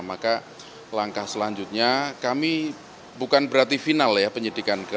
maka langkah selanjutnya kami bukan berarti final ya penyidikan